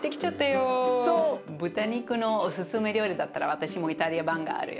豚肉のおすすめ料理だったら私もイタリア版があるよ。